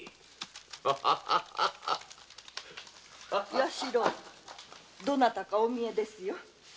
弥四郎どなたかおみえですよ。